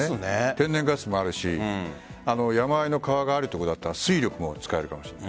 天然ガスもあるし山あいの川があるところだったら水力も使えるし。